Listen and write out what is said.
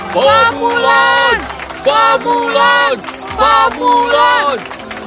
fa mulan fa mulan fa mulan